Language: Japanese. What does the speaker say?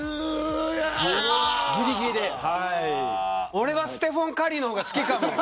俺はステフォン・カリーの方が好きかも。